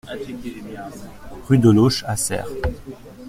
Rue de L'Auche à Serres